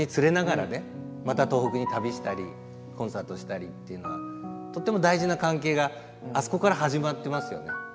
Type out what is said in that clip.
また東北に旅したりコンサートしたりっていうのはとっても大事な関係があそこから始まってますよね。